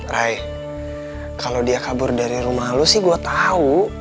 ray kalo dia kabur dari rumah lo sih gue tau